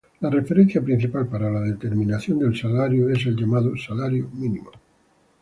La referencia principal para la determinación del salario es el llamado salario mínimo.